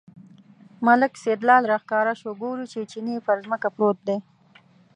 ملک سیدلال راښکاره شو، ګوري چې چیني پر ځمکه پروت دی.